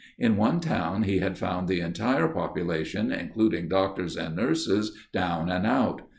In one town he had found the entire population, including doctors and nurses down and out.